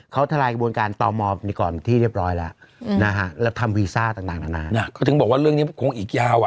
ก็ถึงบอกว่าเรื่องนี้คงอีกยาว